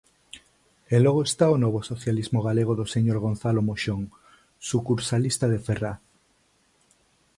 E logo está o novo socialismo galego do señor Gonzalo Moxón, sucursalista de Ferraz.